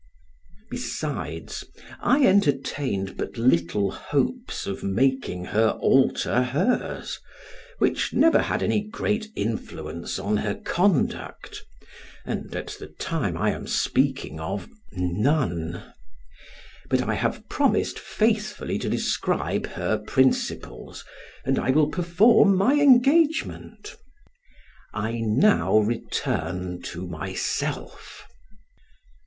Besides, I entertained but little hopes of making her alter hers, which never had any great influence on her conduct, and at the time I am speaking of none; but I have promised faithfully to describe her principles, and I will perform my engagement I now return to myself.